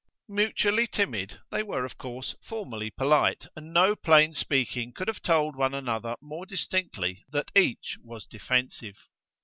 Mutually timid, they were of course formally polite, and no plain speaking could have told one another more distinctly that each was defensive.